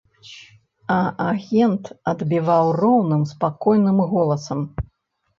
А агент адбіваў роўным спакойным голасам.